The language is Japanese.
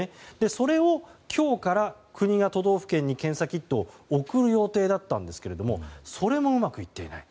それを今日から国が都道府県に検査キットを送る予定だったんですがそれもうまくいっていない。